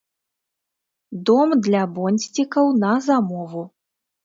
Дом для бонсцікаў на замову.